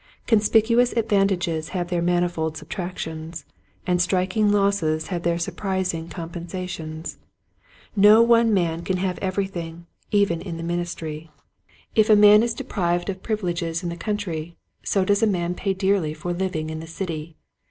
Conspicuous advantages have their manifold subtractions, and striking losses have their surprising compensations. No one man can have everything, even in the ministry. If a man is deprived of privi Which Door? 29 leges in the country so does a man pay dearly for living in the city.